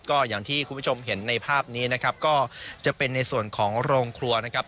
ก็อย่างที่คุณผู้ชมเห็นในภาพนี้นะครับก็จะเป็นในส่วนของโรงครัวนะครับ